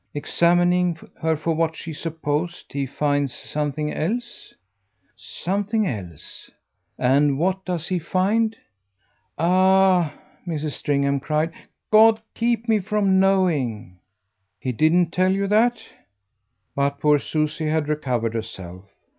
"Examining her for what she supposed he finds something else?" "Something else." "And what does he find?" "Ah," Mrs. Stringham cried, "God keep me from knowing!" "He didn't tell you that?" But poor Susie had recovered herself.